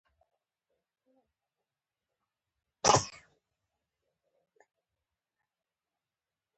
مينه په ورځ کښې دوه ځله راتله سهار او مازديګر.